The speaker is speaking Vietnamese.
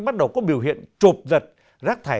bắt đầu có biểu hiện trộp giật